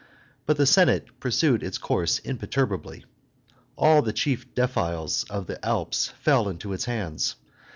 But the Senate pursued its course imperturbably. All the chief defiles of the Alps fell into its hands.